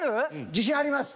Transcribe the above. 自信あります。